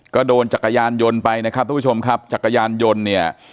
ก็โดนจักรยานยนต์ไปนะครับทุกผู้ชมครับจักรยานยนต์เนี่ย